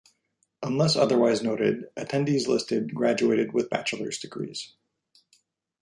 Unless otherwise noted, attendees listed graduated with bachelor's degrees.